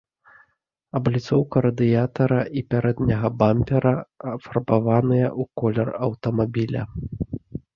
Абліцоўка радыятара і пярэдняга бампера афарбаваныя ў колер аўтамабіля.